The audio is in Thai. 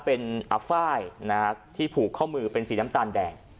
เป็นอัฟไฟล์ที่ผูกข้อมือเป็นสีน้ำตาลแดง